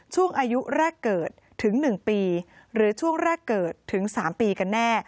ช่วงอายุแรกเกิดถึง๑ปีหรือช่วงแรกเกิดถึง๓ปีกันแน่